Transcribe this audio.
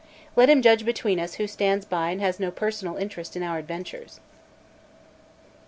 Let him judge between us who stands by and has no personal interest in our adventures.